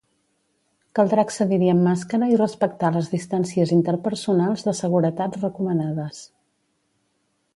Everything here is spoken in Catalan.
Caldrà accedir-hi amb màscara i respectar les distàncies interpersonals de seguretat recomanades.